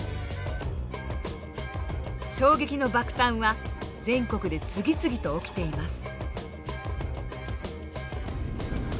衝撃の爆誕は全国で次々と起きています。